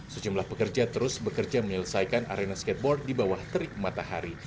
sejumlah pekerja terus bekerja menyelesaikan arena skateboard di bawah terik matahari